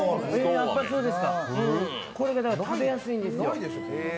これが食べやすいんですよ。